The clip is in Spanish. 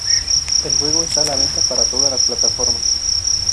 El juego está a la venta para todas las plataformas.